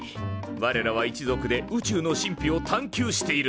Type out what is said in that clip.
われらは一族で宇宙の神秘を探求しているのだ。